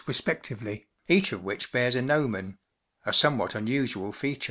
respectively, each of which bears a gnomon—a somewhat unusual feature.